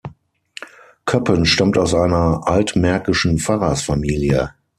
Köppen stammt aus einer altmärkischen Pfarrersfamilie.